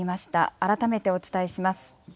改めてお伝えします。